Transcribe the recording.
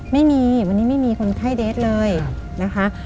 ไม่มีวันนี้ไม่มีคนไข้เดทเลยนะคะ